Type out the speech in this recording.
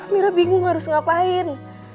mirah bingung harus ngapain